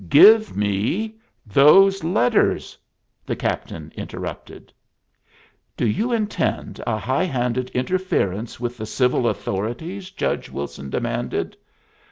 "Give me those letters," the captain interrupted. "Do you intend a high handed interference with the civil authorities?" Judge Wilson demanded.